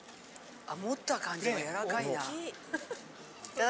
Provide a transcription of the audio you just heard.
持った感じもやらかいな。